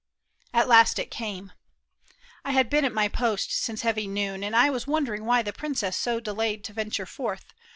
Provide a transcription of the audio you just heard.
At last it came. I had been at my post Since heavy noon, and I was wondering why The princess so delayed to venture forth.